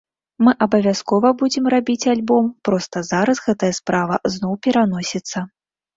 Мы абавязкова будзем рабіць альбом, проста зараз гэтая справа зноў пераносіцца.